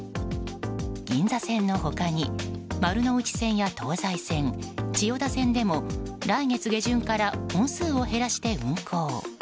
銀座線の他に丸ノ内線や東西線千代田線でも来月下旬から本数を減らして運行。